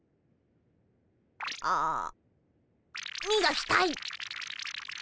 ああみがきたい。